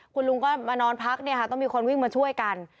คุณลุงก็มานอนพักเนี่ยค่ะต้องมีคนวิ่งมาช่วยกัน